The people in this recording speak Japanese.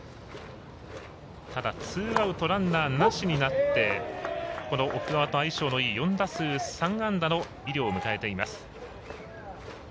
ツーアウトランナーなしになって奥川と相性のいい４打数３安打の井領を迎えています。